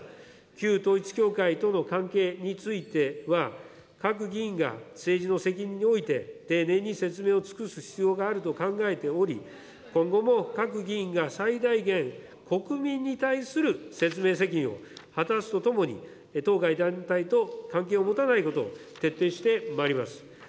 旧統一教会との関係については、各議員が政治の責任において、丁寧に説明を尽くす必要があると考えており、今後も各議員が最大限、国民に対する説明責任を果たすとともに、当該団体と関係を持たないことを徹底してまいります。